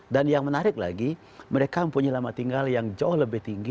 dan yang menarik lagi mereka mempunyai lama tinggal yang jauh lebih tinggi